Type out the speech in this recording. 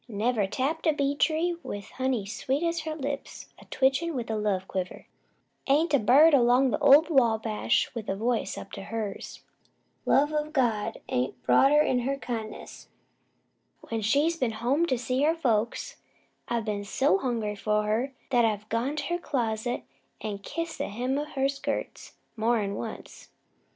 Never tapped a bee tree with honey sweet as her lips a twitchin' with a love quiver. Ain't a bird 'long the ol' Wabash with a voice up to hers. Love o' God ain't broader'n her kindness. When she's been home to see her folks, I've been so hungry for her 'at I've gone to her closet an' kissed the hem o' her skirts more'n once.